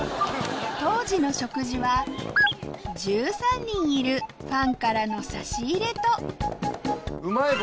当時の食事は１３人いるファンからの差し入れとうまい棒？